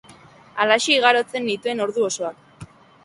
Halaxe igarotzen nituen ordu osoak.